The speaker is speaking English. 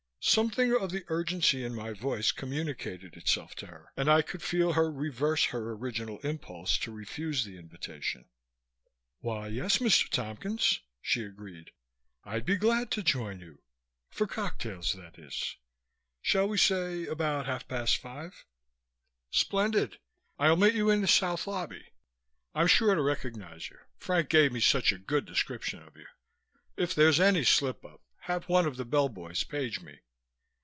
Something of the urgency in my voice communicated itself to her and I could feel her reverse her original impulse to refuse the invitation. "Why yes, Mr. Tompkins," she agreed. "I'd be glad to join you, for cocktails, that is. Shall we say about half past five?" "Splendid! I'll meet you in the south lobby. I'm sure to recognize you, Frank gave me such a good description of you. If there's any slip up, have one of the bellboys page me."